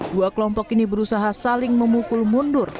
dua kelompok ini berusaha saling memukul mundur